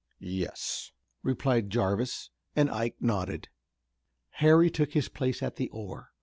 "Yes," replied Jarvis, and Ike nodded. Harry took his place at the oar.